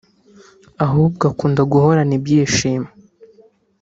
ahubwo akunda guhorana ibyishimo